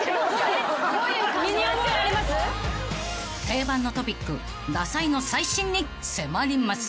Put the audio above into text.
［定番のトピック「ダサい」の最新に迫ります］